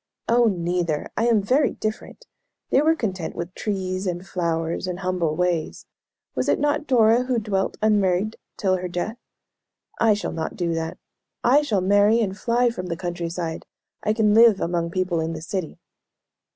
'" "Oh, neither! I am very different! They were content with trees and flowers, and humble ways. Was it not Dora who 'dwelt unmarried till her death?' I shall not do that. I shall marry and fly from the country side. I can live among people in the city."